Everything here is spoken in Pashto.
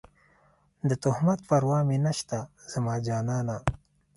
د تهمت پروا مې نشته زما جانانه